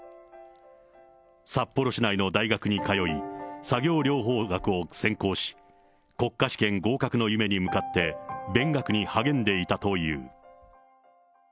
札幌市内の大学に通い、作業療法学を専攻し、国家試験合格の夢に向かって、勉学に励んでいたという。